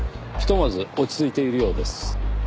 ひとまず落ち着いているようです。